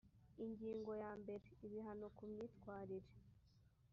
ingingo ya mbere ibihano kumyitwarire